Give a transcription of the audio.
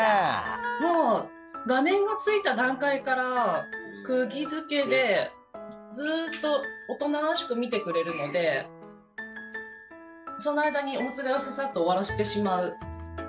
もう画面がついた段階からくぎづけでずっとおとなしく見てくれるのでその間にオムツ替えをササッと終わらしてしまう感じですね。